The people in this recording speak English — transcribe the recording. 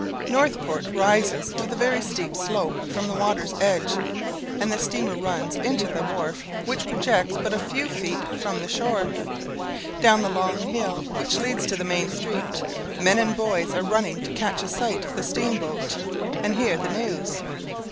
Northport rises with a very steep slope from the water's edge, and the steamer runs into the wharf which projects but a few feet froth the shore. Down the long hill which leads to the main street, men and boys are running to catch a sight of the steamboat, and hear the news.